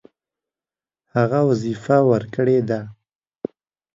هغه وظیفه ورکړې ده.